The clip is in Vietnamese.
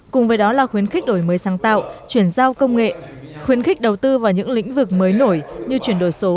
cùng với đó là khuyến khích đổi mới sáng tạo chuyển giao công nghệ khuyến khích đầu tư vào những lĩnh vực mới nổi như chuyển đổi số